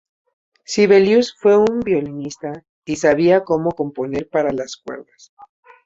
Sibelius fue un violinista y sabía cómo componer para las cuerdas.